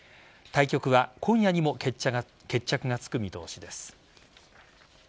対局は今夜にも決着がつく見通しです。